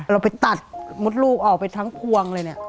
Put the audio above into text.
เราไปตัดมดลูกออกไปทั้งพวงเลยเนี่ย